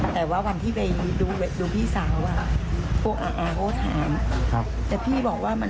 เขาคุยกับทางพี่ว่าอะไร